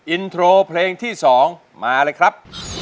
อินโทรเพลงที่๒มาเลยครับ